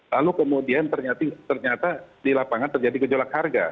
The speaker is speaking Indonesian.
lalu kemudian ternyata di lapangan terjadi gejolak harga